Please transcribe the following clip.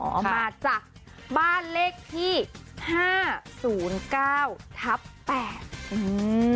เอามาจ้ะบ้านเลขที่ห้าศูนย์เก้าทับแปดอืม